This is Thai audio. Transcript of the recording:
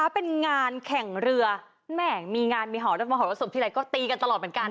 เป็นงานแข่งเรือแม่งมีงานมีหอแล้วมาหอสมทีใดก็ตีกันตลอดเหมือนกัน